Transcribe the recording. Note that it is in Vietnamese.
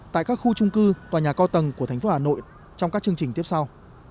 tại các khu trung cư tòa nhà cao tầng của thành phố hà nội trong các chương trình tiếp sau